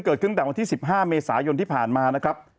เกิดขึ้นตั้งแต่วันที่๑๕เมษายนที่ผ่านมานะครับ